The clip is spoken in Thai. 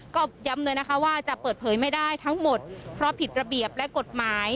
ก็ย้ำเลยนะคะว่าจะเปิดเผยไม่ได้ทั้งหมดเพราะผิดระเบียบและกฎหมาย